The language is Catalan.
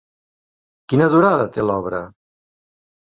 Quina durada té l'obra?